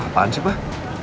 apaan sih pak